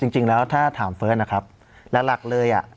จริงแล้วถ้าถามเฟิร์สนะครับหลักเลยอ่ะ